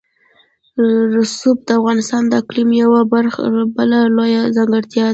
رسوب د افغانستان د اقلیم یوه بله لویه ځانګړتیا ده.